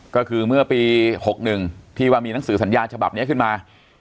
ก็คือเมื่อปี๖๑ที่ว่ามีหนังสือสัญญาฉบับนี้ขึ้นมา